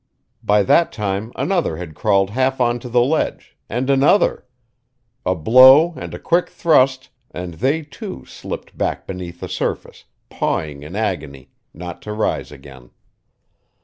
By that time another had crawled half onto the ledge, and another; a blow and a quick thrust, and they, too, slipped back beneath the surface, pawing in agony, not to rise again.